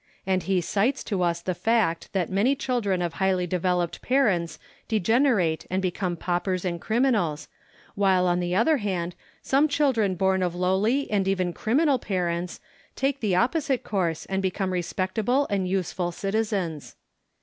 And he cites to us the fact that many children of highly developed parents degenerate and become paupers and criminals, while on the other hand, some children born of lowly and even criminal parents take the opposite course and become respect able and useful citizens.